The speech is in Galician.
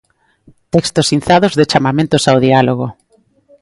Textos inzados de chamamentos ao diálogo.